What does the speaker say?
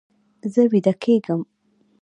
زه ویده کیږم